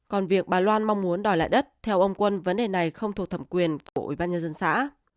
còn việc bà loan mong muốn đòi lại đất theo ông quân vấn đề này không thuộc thẩm quyền của ủy ban nhân dân xã